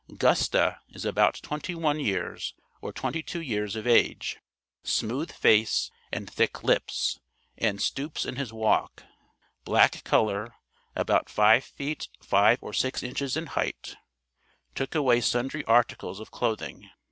"Gusta" is about 21 years or 22 years of age, smooth face and thick lips, and stoops in his walk; black color, about 5 feet 5 or 6 inches in height; took away sundry articles of clothing.